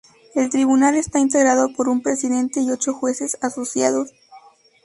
El Tribunal está integrado por un Presidente y ocho jueces asociados.